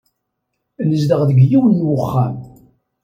Nezdeɣ deg yiwen n uxxam.